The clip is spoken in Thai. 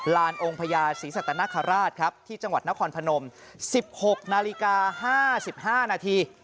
ลานองค์พญาศรีสัตนคราชครับที่จังหวัดนครพนม๑๖นาฬิกา๕๕นาที